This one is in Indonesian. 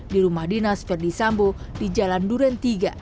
di rumah dinas ferdis sambu di jalan duren tiga